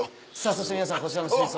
そして皆さんこちらの水槽。